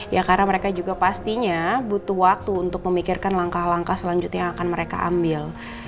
ya karena mereka juga pastinya butuh waktu untuk memikirkan langkah langkah selanjutnya yang akan mereka ambil